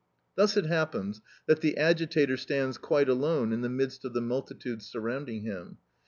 Thus it happens that the agitator stands quite alone in the midst of the multitude surrounding him.